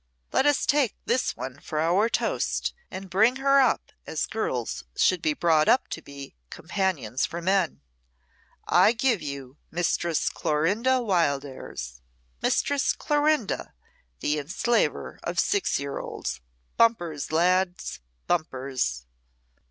Let us take this one for our toast, and bring her up as girls should be brought up to be companions for men. I give you, Mistress Clorinda Wildairs Mistress Clorinda, the enslaver of six years old bumpers, lads! bumpers!"